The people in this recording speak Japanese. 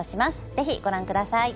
ぜひご覧ください。